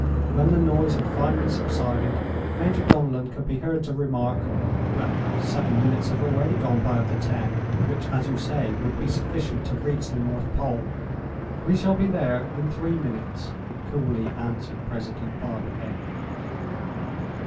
When the noise had finally subsided Major Donellan could be heard to remark: "Well, seven minutes have already gone by of the ten which, as you say, would be sufficient to reach the North Pole." "We shall be there in three minutes," coolly answered President Barbicane.